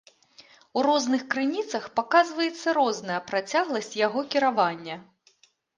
У розных крыніцах паказваецца розная працягласць яго кіравання.